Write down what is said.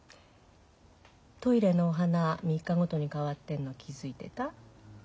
トイレのお花３日ごとに変わってるの気付いてた？